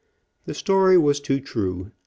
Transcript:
The story was too true. Mr.